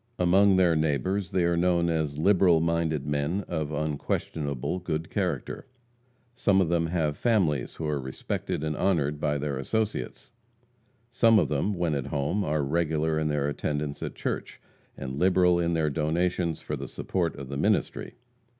Among their neighbors they are known as liberal minded men of unquestionably good character. Some of them have families who are respected and honored by their associates. Some of them, when at home, are regular in their attendance at church, and liberal in their donations for the support of the ministry.